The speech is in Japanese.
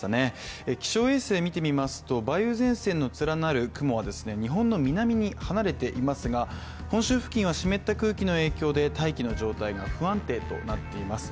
気象衛星見てみますと梅雨前線の連なる雲は日本の南に離れていますが、本州付近は湿った空気の影響で大気の状態が不安定となっています。